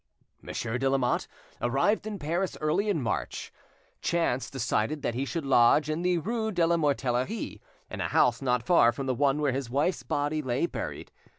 Monsieur de Lamotte arrived in Paris early in March. Chance decided that he should lodge in the rue de la Mortellerie, in a house not far from the one where his wife's body lay buried.